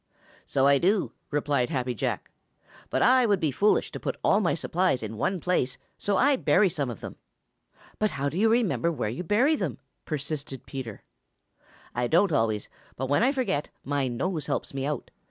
"So I do," replied Happy Jack, "but I would be foolish to put all my supplies in one place, so I bury some of them." "But how do you remember where you bury them?" persisted Peter. "I don't always, but when I forget, my nose helps me out.